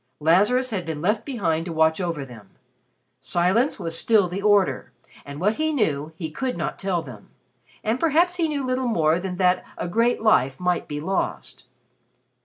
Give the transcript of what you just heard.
Lazarus had been left behind to watch over them. Silence was still the order, and what he knew he could not tell them, and perhaps he knew little more than that a great life might be lost.